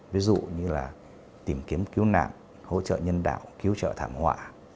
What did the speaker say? ví dụ như là tìm kiếm cứu nạn hỗ trợ nhân đạo cứu trợ thảm họa